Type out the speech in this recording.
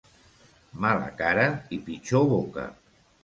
Mala cara i pitjor boca.